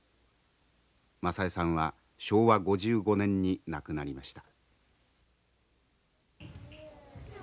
雅枝さんは昭和５５年に亡くなりました。